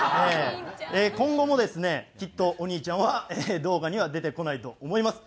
今後もですねきっとお兄ちゃんは動画には出てこないと思います。